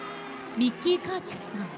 ミッキー・カーチスさん